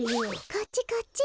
こっちこっち。